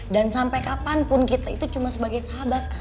dan sampai kapanpun kita itu cuma sebagai sahabat